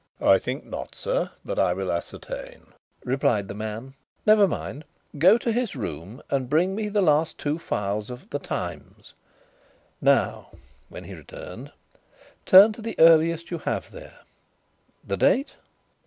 "I think not, sir, but I will ascertain," replied the man. "Never mind. Go to his room and bring me the last two files of The Times. Now" when he returned "turn to the earliest you have there. The date?"